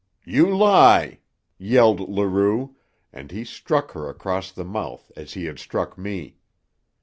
"You lie!" yelled Leroux, and he struck her across the mouth as he had struck me.